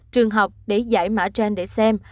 trường học để giải mã gen để xem